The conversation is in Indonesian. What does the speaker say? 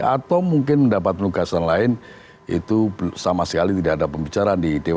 atau mungkin mendapat penugasan lain itu sama sekali tidak ada pembicaraan di dewan